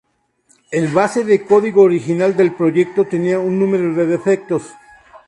El base de código original del proyecto tenía un número de defectos.